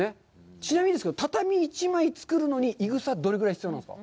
ちなみにですけど、畳１枚作るのにいぐさ、どれぐらい必要なんですか。